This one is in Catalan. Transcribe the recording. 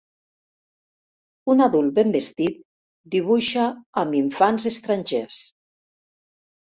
Un adult ben vestit dibuixa amb infants estrangers.